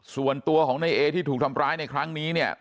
ส่วนตัวของในเอที่ถูกทำร้ายในครั้งนี้เนี่ย